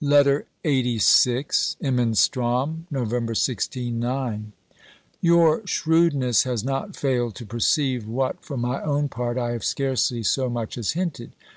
LETTER LXXXVI Imenstrom, November i6 (IX). Your shrewdness has not failed to perceive what, for my own part, I have scarcely so much as hinted.